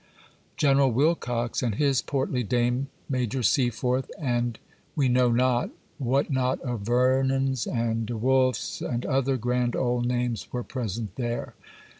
General Wilcox and his portly dame, Major Seaforth, and we know not, what not of Vernons and De Wolfs, and other grand old names were present there.